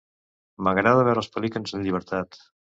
M'agrada veure els pelicans en llibertat